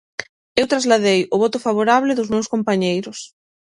Eu trasladei o voto favorable dos meus compañeiros.